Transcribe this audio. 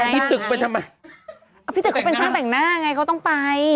พี่ตึกเขาเป็นช่างแต่งหน้าไงเขาต้องไป